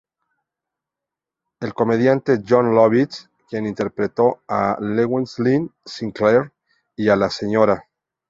El comediante Jon Lovitz, quien interpretó a Llewellyn Sinclair y a la Sra.